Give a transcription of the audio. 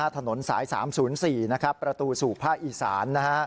ถนนสาย๓๐๔ประตูสู่ภาคอีสาน